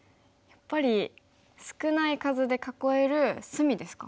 やっぱり少ない数で囲える隅ですか？